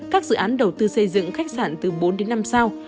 các dự án đầu tư xây dựng khách sạn từ bốn đến năm sao